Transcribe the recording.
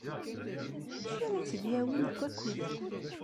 D acu ara tt-id-yawin deg wakud-a?